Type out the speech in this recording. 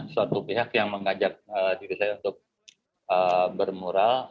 suatu pihak yang mengajak diri saya untuk bermural